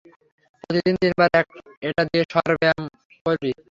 প্রতিদিন তিনবার এটা দিয়ে স্বর ব্যায়াম করবি।